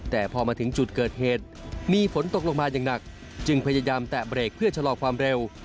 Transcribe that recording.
แต่พอมาถึงจุดเกิดเหตุมีฝนตกลงมาอย่างหนักจึงพยายามแตะเบรกเพื่อชะลอความเร็ว